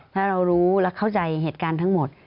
ถ้าเรารู้และเข้าใจเหตุการณ์ทั้งหมด